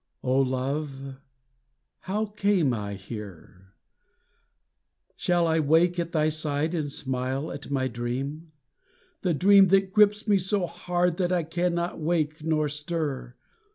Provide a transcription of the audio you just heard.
O love, how came I here? Shall I wake at thy side and smile at my dream? The dream that grips me so hard that I cannot wake nor stir!